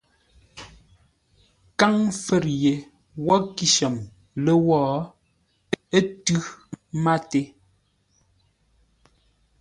Kâŋ fə̌r ye wə́ kíshəm lə́wó, ə́ tʉ́ máté.